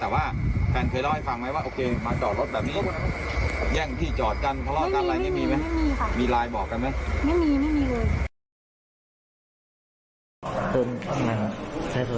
แต่ว่าแฟนเคยเล่าให้ฟังไหมว่าโอเคมาจอดรถแบบนี้